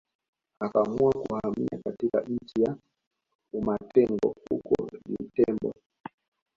Akaamua kuhamia katika nchi ya umatengo huko Litembo